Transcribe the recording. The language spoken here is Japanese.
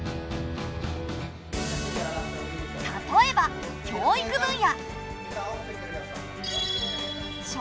例えば教育分野。